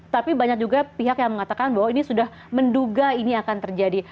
tapi banyak juga pihak yang mengatakan bahwa ini sudah menduga ini akan terjadi